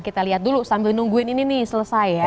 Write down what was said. kita lihat dulu sambil nungguin ini nih selesai ya